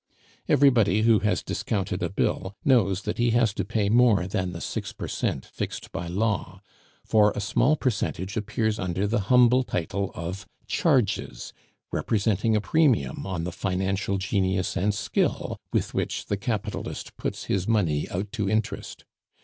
Everybody who has discounted a bill knows that he has to pay more than the six per cent fixed by law; for a small percentage appears under the humble title of "charges," representing a premium on the financial genius and skill with which the capitalist puts his money out to interest.